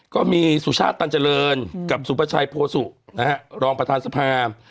ก็มีสุชาติตันเจริญกับสุประชัยโพสุนะฮะรองประธานสภา